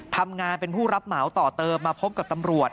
ทำงานเป็นผู้รับเหมาต่อเติมมาพบกับตำรวจ